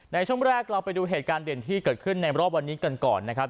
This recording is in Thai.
ในช่วงแรกเราไปดูเหตุการณ์เด่นที่เกิดขึ้นในรอบวันนี้กันก่อนนะครับ